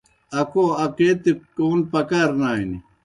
اکَو اکے تِکون پکار نانیْ۔